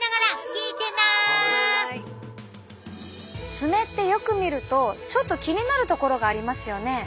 爪ってよく見るとちょっと気になる所がありますよね。